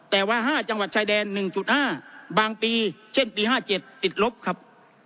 แต่ว่าห้าจังหวัดชายแดนหนึ่งจุดห้าบางปีเช่นปีห้าเจ็ดติดลบครับ